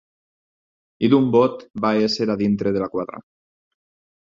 ...i d'un bot va ésser a dintre de la quadra.